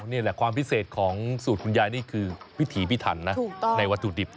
นี่แหละความพิเศษของสูตรคุณยายนี่คือพิถีพิถันนะถูกต้องในวัตถุดิบ